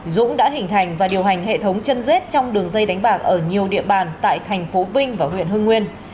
dũng đã hình thành và điều hành hệ thống chân rết trong đường dây đánh bạc ở nhiều địa bàn tại tp vinh và huyện hương nguyên